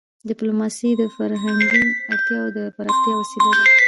ډيپلوماسي د فرهنګي اړیکو د پراختیا وسیله ده.